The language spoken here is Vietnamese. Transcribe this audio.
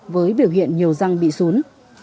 với biểu hiện nhiều răng bị xuốn